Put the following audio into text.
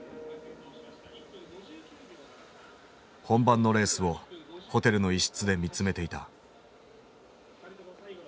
本番のレースをホテルの一室で見つめていた。